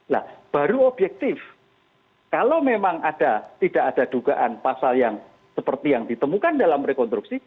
nah baru objektif kalau memang ada tidak ada dugaan pasal yang seperti yang ditemukan dalam rekonstruksi